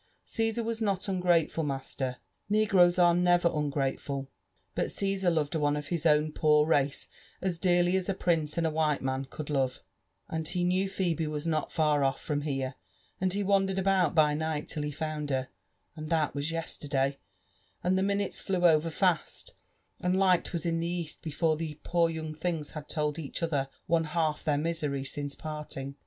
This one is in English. Cassar was not ungrateful, master •«— negroes are never ungrateful ; but Cssar loved one of his own poor race as dearly as a prince and a white man could love — and he knew Phebe was not far olT from here — and he wandered about by night till he found her, and that was yesterday ; and the minutes flew over fast, and light was in the east before the poor young things had told each other one half their misery since parting.